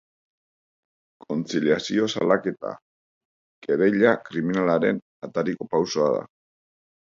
Kontziliazio salaketa kereila kriminalaren atariko pausoa da.